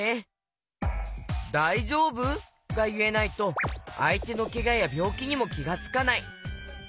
「だいじょうぶ？」がいえないとあいてのけがやびょうきにもきがつかない！